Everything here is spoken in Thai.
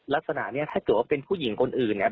ลักษณะนี้ถ้าเกิดว่าเป็นผู้หญิงคนอื่นเนี่ย